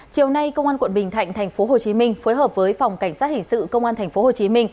chiều nay công an quận bình thạnh tp hcm phối hợp với phòng cảnh sát hình sự công an tp hcm